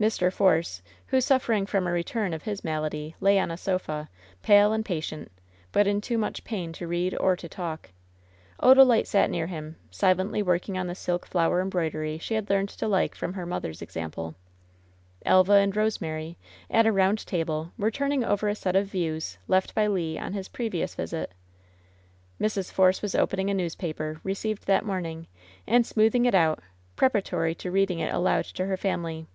Mr. Force, who, suflFering from a return of his malady, lay on a sofa, pale and patient, but in too much pain to read or to talk. Odalite sat near him, silently working on the silk flower embroidery she had learned to like from her mother's example. Elva and Eosemary, at a round table, were turning over a set of "views" left by Le on his previous visit Mrs. Force was opening a newspaper received that morning, and smoothing it out, preparatory to reading it aloud to her family.